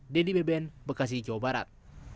dedy beben bekasi jawa barat